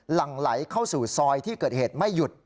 หลังไหลเข้าสู่ซอยที่เกิดเหตุไม่หยุด